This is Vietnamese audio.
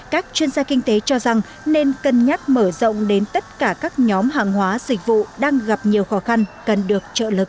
các chuyên gia kinh tế cho rằng nên cân nhắc mở rộng đến tất cả các nhóm hàng hóa dịch vụ đang gặp nhiều khó khăn cần được trợ lực